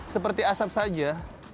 nanti asap saja